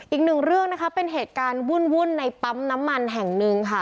อีกหนึ่งเรื่องนะคะเป็นเหตุการณ์วุ่นในปั๊มน้ำมันแห่งหนึ่งค่ะ